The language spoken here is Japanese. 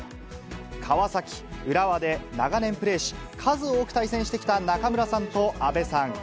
川崎、浦和で、長年プレーし、数多く対戦してきた中村さんと阿部さん。